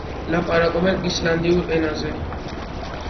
ლაპარაკობენ ისლანდიურ ენაზე.